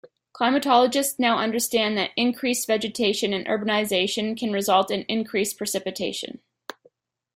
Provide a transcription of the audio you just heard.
Climatologists now understand that increased vegetation and urbanization can result in increased precipitation.